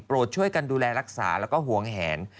โปรดช่วยกันดูแลรักษาและหวงแหน